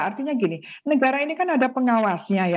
artinya gini negara ini kan ada pengawasnya ya